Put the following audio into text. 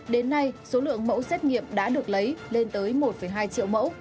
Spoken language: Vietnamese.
đến nay số lượng mẫu xét nghiệm đã được lấy lên tới một hai triệu mẫu